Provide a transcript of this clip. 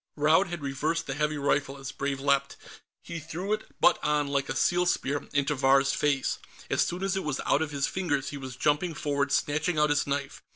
Raud had reversed the heavy rifle as Brave leaped; he threw it, butt on, like a seal spear, into Vahr's face. As soon as it was out of his fingers, he was jumping forward, snatching out his knife.